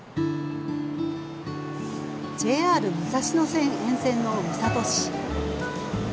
ＪＲ武蔵野線沿線の三郷市。